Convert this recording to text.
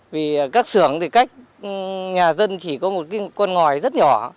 vì các xưởng thì cách nhà dân chỉ có một cái con ngòi rất nhỏ